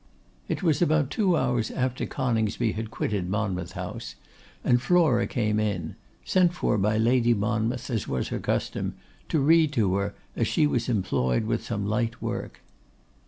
It was about two hours after Coningsby had quitted Monmouth House, and Flora came in, sent for by Lady Monmouth as was her custom, to read to her as she was employed with some light work.